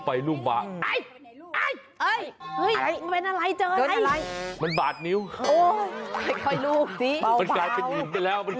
แต่ถ้าจุดออกมาแล้วผลงานเป็นอย่างไร